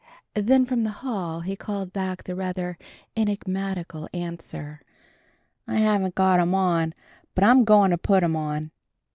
Then from the hall he called back the rather enigmatical answer, "I haven't got 'em on, but I'm going to put 'em on!"